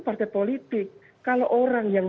partai politik kalau orang yang